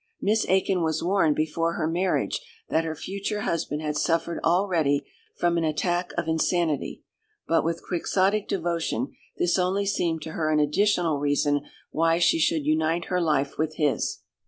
Miss Aikin was warned before her marriage that her future husband had suffered already from an attack of insanity, but with Quixotic devotion this only seemed to her an additional reason why she should unite her life with his.